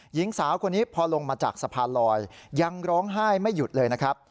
หญิงสาวคนนี้พอลงมาจากสะพานลอยยังร้องไห้ไม่หยุดเลยนะครับ